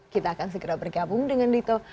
kita akan segera bergabung dengan dito